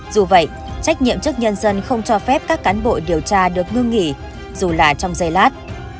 dù vậy trách nhiệm chức nhân dân không cho phép các cán bộ điều tra được ngưng nghỉ dù là trong dây lát